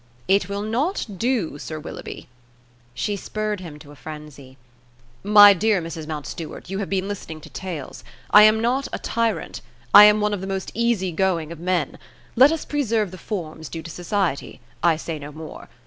"It will not do, Sir Willoughby." She spurred him to a frenzy. "My dear Mrs. Mountstuart, you have been listening to tales. I am not a tyrant. I am one of the most easy going of men. Let us preserve the forms due to society: I say no more.